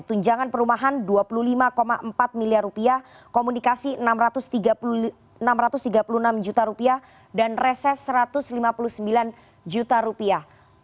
tunjangan perumahan dua puluh lima empat miliar rupiah komunikasi enam ratus tiga puluh enam juta rupiah dan reses satu ratus lima puluh sembilan juta rupiah